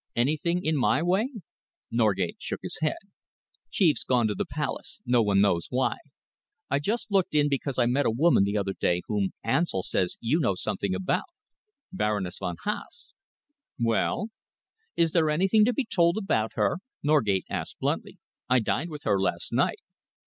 "Anything in my way?" Norgate shook his head. "Chief's gone to the Palace no one knows why. I just looked in because I met a woman the other day whom Ansell says you know something about Baroness von Haase." "Well?" "Is there anything to be told about her?" Norgate asked bluntly. "I dined with her last night."